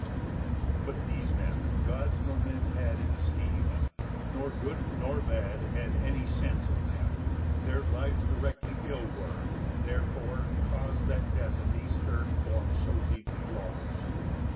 _ But these men Gods nor men had in esteem, Nor good nor bad had any sense in them, Their lives directly ill were, therefore, cause That Death in these stern forms so deeply draws.